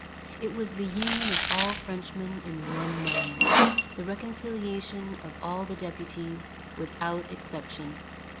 It was the union of all Frenchmen in one mind, the reconciliation of all the deputies, without exception.